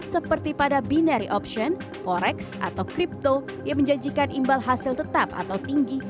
seperti pada binary option forex atau crypto yang menjanjikan imbal hasil tetap atau tinggi